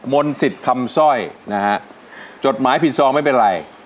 มนต์สิทธิ์คำสร้อยนะฮะจดหมายผิดซองไม่เป็นไร